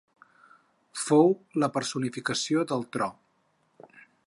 Fou la personificació del tro.